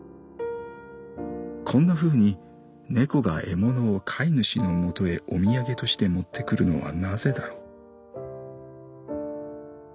こんなふうに猫が獲物を飼い主のもとへお土産として持ってくるのはなぜだろう」。